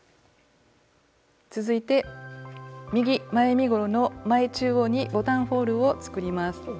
続いて右前身ごろの前中央にボタンホールを作ります。